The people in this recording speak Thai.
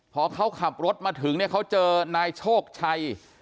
พอเขาขับรถมาถึงเนี่ยเขาเจอนายโชคชัย